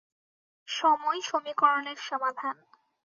সময় সমীকরণের সমাধান।